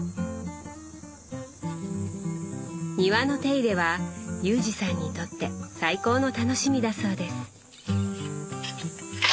庭の手入れは裕二さんにとって最高の楽しみだそうです。